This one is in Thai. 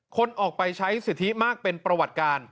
คนออกไปใช้สิทธิมากเป็นประวัติการ